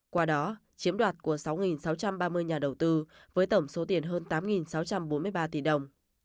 qua đó chiếm đoạt của sáu sáu trăm ba mươi nhà đầu tư với tổng số tiền hơn tám sáu trăm bốn mươi ba tỷ đồng